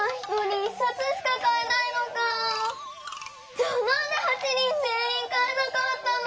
じゃあなんで８人ぜんいんかえなかったの？